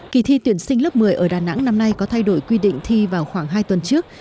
kỳ thi tuyển sinh lớp một mươi ở đà nẵng năm nay có thay đổi quy định thi vào khoảng hai tuần trước